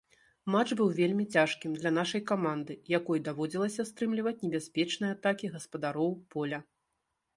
Матч быў вельмі цяжкім для нашай каманды, якой даводзілася стрымліваць небяспечныя атакі гаспадароў поля.